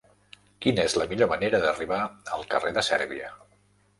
Quina és la millor manera d'arribar al carrer de Sèrbia?